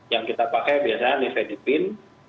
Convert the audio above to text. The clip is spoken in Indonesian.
yang kita pakai biasanya nifedipin